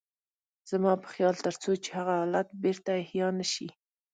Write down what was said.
زما په خيال تر څو چې هغه حالت بېرته احيا نه شي.